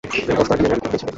কস্তার DNA report পেয়েছি।